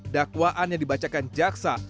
dakwaan yang dibacakan jaksa